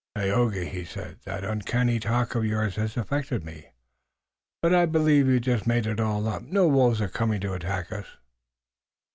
"Tayoga," he said, "that uncanny talk of yours has affected me, but I believe you've just made it all up. No wolves are coming to attack us."